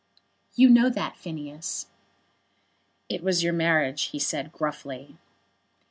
"You know that, Phineas." "It was your marriage," he said, gruffly.